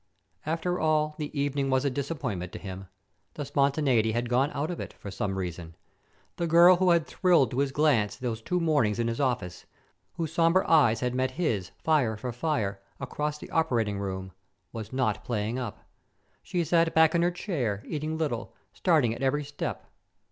After all, the evening was a disappointment to him. The spontaneity had gone out of it, for some reason. The girl who had thrilled to his glance those two mornings in his office, whose somber eyes had met his fire for fire, across the operating room, was not playing up. She sat back in her chair, eating little, starting at every step.